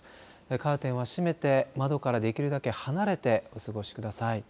カーテンは閉めて窓からできるだけ離れてお過ごしください。